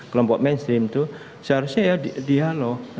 kelompok mainstream itu seharusnya ya dialog